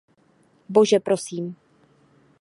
Bože prosím.